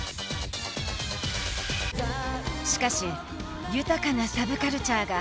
しかし豊かなサブカルチャーが花開いた。